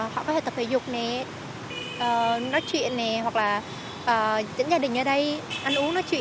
họ có thể tập thể dục này nói chuyện này hoặc là những gia đình ở đây ăn uống nói chuyện